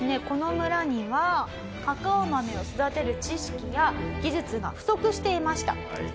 この村にはカカオ豆を育てる知識や技術が不足していました。